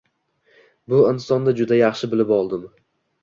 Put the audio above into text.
Bu insonni juda yaxshi bilib oldim.